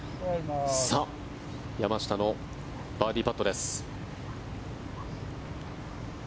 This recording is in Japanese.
山下のバーディーパットです。